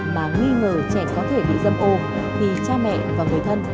mà nghi ngờ trẻ có thể bị dâm ô thì cha mẹ và người thân